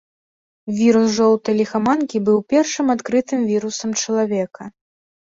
Вірус жоўтай ліхаманкі быў першым адкрытым вірусам чалавека.